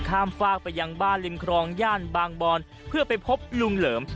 ฟากไปยังบ้านริมครองย่านบางบอนเพื่อไปพบลุงเหลิม